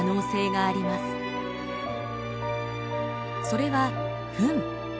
それはフン。